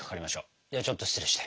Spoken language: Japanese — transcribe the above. ではちょっと失礼して。